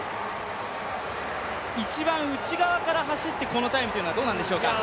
一番内側から走ってこのタイムというのはどうなんでしょうか？